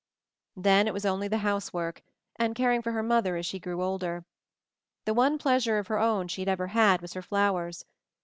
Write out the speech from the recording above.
Then it was only the housework, and car ing for her mother as she grew older. The one pleasure of her own she ever had was in her flowers.